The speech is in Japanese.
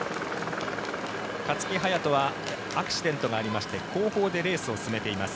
勝木隼人はアクシデントがありまして後方でレースを進めています。